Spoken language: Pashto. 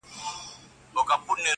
رقیب مي له شهبازه غزلونه تښتوي!